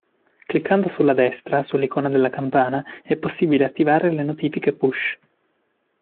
Cliccando sulla destra, sull'icona della campana, è possibile attivare le notifiche push.